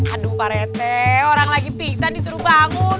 aduh pak rete orang lagi pingsan disuruh bangun